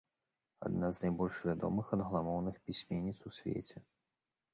Адна з найбольш вядомых англамоўных пісьменніц у свеце.